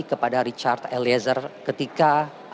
kepada richard eliezer ketika